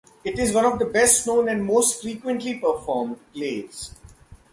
It is one of his best-known and most frequently performed plays.